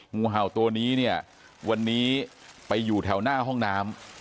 งูเห่าตัวนี้เนี่ยวันนี้ไปอยู่แถวหน้าห้องน้ำ